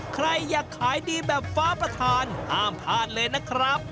ใครอยากขายดีแบบฟ้าประธานห้ามพลาดเลยนะครับ